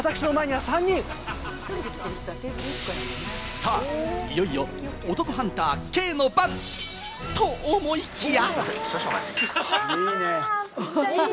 さあ、いよいよお得ハンター・兄の番！と思いきや。